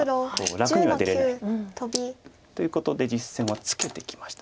楽には出れない。ということで実戦はツケてきました。